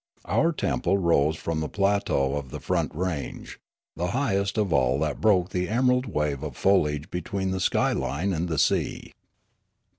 Our temple rose from the plateau of the front range, the highest of all that broke the emerald wave of foliage between the sky line and the sea.